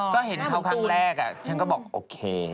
ก็เห็นเขาครั้งแรกฉันก็บอกโอเค